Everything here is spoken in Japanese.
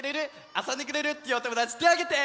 あそんでくれるっていうおともだちてあげて！